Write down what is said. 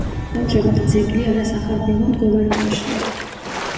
ამჟამად ძეგლი არასახარბიელო მდგომარეობაშია.